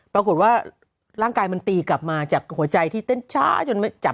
ปรากฏว่าร่างกายมันตีกลับมาจากหัวใจที่เต้นช้าจนจับ